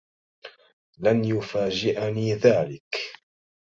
لن يفاجئني ذلك.